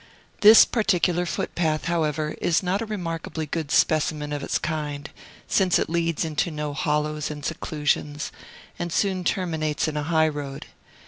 This particular foot path, however, is not a remarkably good specimen of its kind, since it leads into no hollows and seclusions, and soon terminates in a high road.